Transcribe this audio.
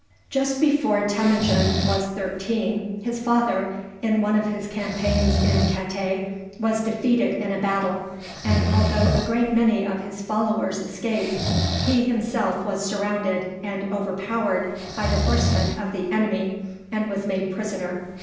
Just before Temujin was thirteen, his father, in one of his campaigns in Katay, was defeated in a battle, and, although a great many of his followers escaped, he himself was surrounded and overpowered by the horsemen of the enemy, and was made prisoner.